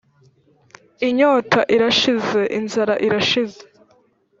'inyota irashize, inzara irashize,